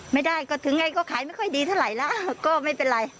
ไม่ได้ก็ถึงไงก็ขายไม่ค่อยดีเท่าไหร่แล้วก็ไม่เป็นไร